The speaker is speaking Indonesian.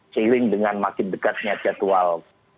seiring dengan makin dekatnya jadwal